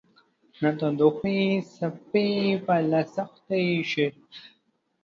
د تودوخې څپې به لا سختې شي